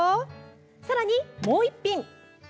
さらに、もう一品。